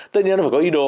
tất nhiên là phải có ý đồ